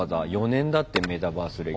４年だってメタバース歴。